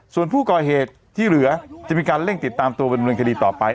ส่วนผู้ก่อเหตุที่เหลือจะมีการเร่งติดตามตัวดำเนินคดีต่อไป